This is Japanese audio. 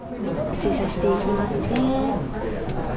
注射していきますね。